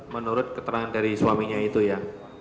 menurut keterangan dari suaminya itu ya